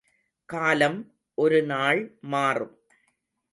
காலம் ஒரு நாள் மாறும்.